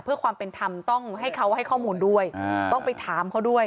เพื่อความเป็นธรรมต้องให้เขาให้ข้อมูลด้วยต้องไปถามเขาด้วย